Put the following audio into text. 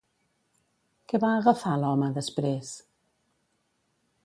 Què va agafar l'home després?